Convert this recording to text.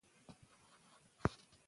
ماشوم ته باید د فکر کولو واک ورکړل سي.